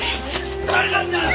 誰なんだ！？